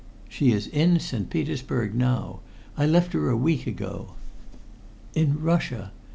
"She is in St. Petersburg now. I left her a week ago." "In Russia!